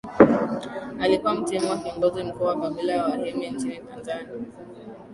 Alikuwa mtemi na kiongozi mkuu wa kabila la Wahehe nchini Tanzania